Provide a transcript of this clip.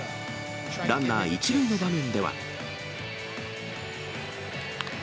ランナー１塁の場面では。